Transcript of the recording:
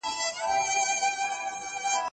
اقتصاد د مالي سیاست اغیز اندازه کوي.